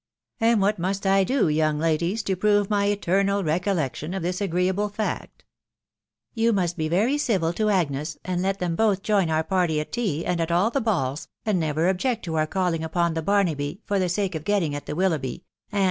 " And what must I do, young ladies, to prove my eternal recollection of this agreeable fact ?"" You must be very civil to Agnes, and let them both join our party at tea, and at all the balls, and never object to our calling upon the Barnaby, for the sake of getting at the Wil loughby, and